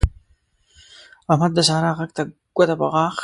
احمد د سارا غږ ته ګوته په غاښ